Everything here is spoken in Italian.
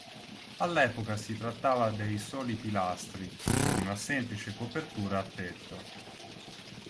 All'epoca si trattava dei soli pilastri, con una semplice copertura a tetto.